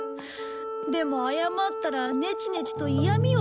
でも謝ったらネチネチと嫌みを。